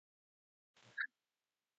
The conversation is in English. Hodder was married three times.